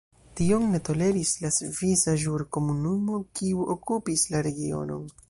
Tion ne toleris la Svisa Ĵurkomunumo, kiu okupis la regionon.